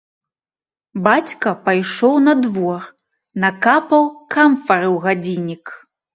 Бацька пайшоў на двор, накапаў камфары ў гадзіннік.